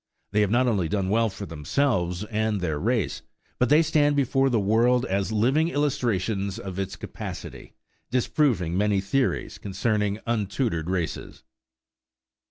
They have not only done well for themselves and their race, but they stand before the world as living illustrations of its capacity, disproving many theories concerning untutored races.